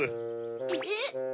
えっ？